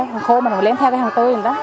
hàng khô mình cũng lén theo cái hàng tươi rồi đó